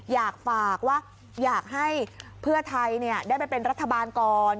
อยากฝากว่าอยากให้เพื่อไทยได้ไปเป็นรัฐบาลก่อน